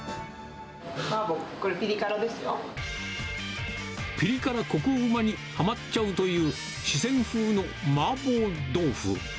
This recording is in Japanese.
マーボー、これ、ぴり辛ここうまにはまっちゃうという、四川風のマーボー豆腐。